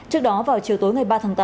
trước đó vào chiều tối ngày ba tháng tám